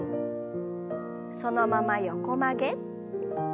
そのまま横曲げ。